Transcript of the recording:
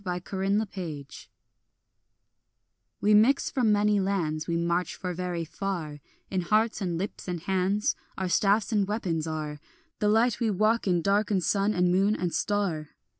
A MARCHING SONG WE mix from many lands, We march for very far; In hearts and lips and hands Our staffs and weapons are; The light we walk in darkens sun and moon and star.